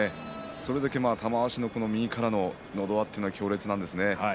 それだけ玉鷲の右からののど輪というのが強烈なんですね。